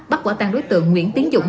bắt quả tăng đối tượng nguyễn tiến dũng